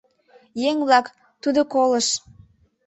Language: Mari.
Еҥ-влак «Тудо колыш!